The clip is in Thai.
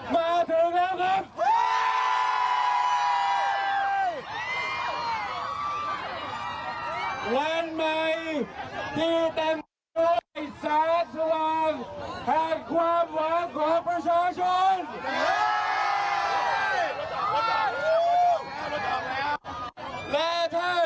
และถ้าคุณทีมพิทาที่ลานคนเมืองด้วยเช่นเดี๋ยว